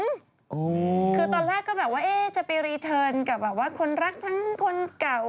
คือตอนแรกก็แบบว่าเอ๊ะจะไปรีเทิร์นกับแบบว่าคนรักทั้งคนเก่า